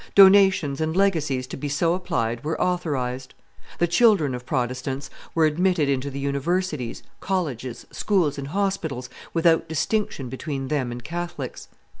Donations and legacies to be so applied were authorized. The children of Protestants were admitted into the universities, colleges, schools, and hospitals, without distinction between them and Catholics.